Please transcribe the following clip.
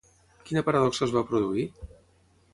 Quina paradoxa es va produir?